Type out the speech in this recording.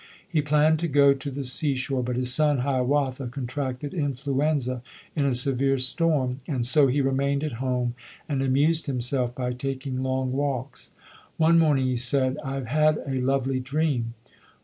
He planned to go to the seashore but his son Hiawatha contracted influenza in a severe storm, and so he remained at home and amused himself by taking long walks. One morning he said, "I have had a lovely dream".